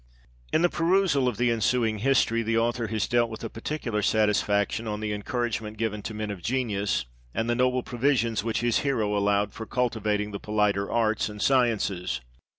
In the perusal of the ensuing history, the author has dwelt with a particular satisfaction on the en couragement given to men of genius, and the noble provisions which his Hero allowed for cultivating the politer arts and sciences.